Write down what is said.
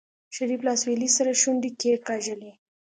شريف له اسويلي سره شونډې کېکاږلې.